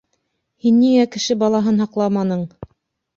— Һин ниңә кеше балаһын һаҡламаның?